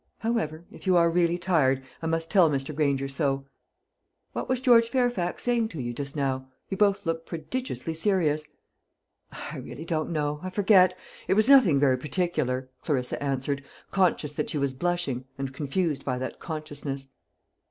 However, if you are really tired, I must tell Mr. Granger so. What was George Fairfax saying to you just now? You both looked prodigiously serious." "I really don't know I forget it was nothing very particular," Clarissa answered, conscious that she was blushing, and confused by that consciousness.